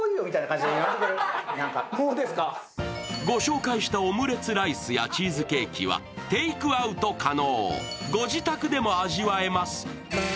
ご紹介したオムレスライスやチーズケーキはテークアウト可能、ご自宅でも味わえます。